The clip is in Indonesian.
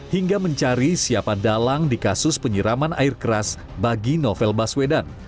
hingga mencari siapa dalang di kasus penyiraman air keras bagi novel baswedan